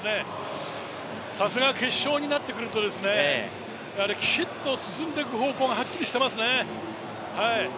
さすが決勝になってくると、きちっと進んでいく方向がはっきりしてますね。